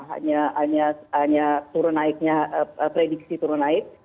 hanya turun naiknya prediksi turun naik